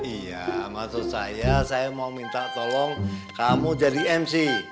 iya maksud saya saya mau minta tolong kamu jadi mc